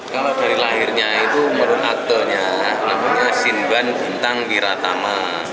kalau dari lahirnya itu menurut akto nya namanya simban bintang biratama